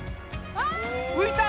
浮いた！